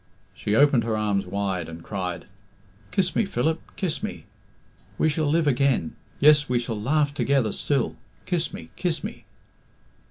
She opened her arms wide, and cried, "Kiss me, Philip, kiss me. We shall live again. Yes, we shall laugh together still kiss me, kiss me."